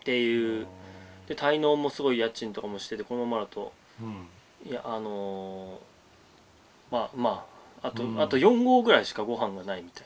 で滞納もすごい家賃とかもしててこのままだとあのまああと４合ぐらいしかごはんがないみたいな。